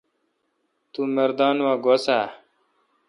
تو مردان وا گوسہ اؘ